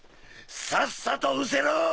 さっさとうせろ！